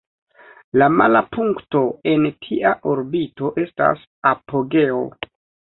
La mala punkto en tia orbito estas "apogeo".